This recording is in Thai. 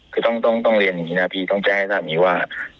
คือต้องเรียนอย่างนี้นะพี่ต้องแจ้ให้สามีว่า